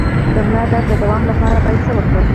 د ملا درد د دوام لپاره باید څه وکړم؟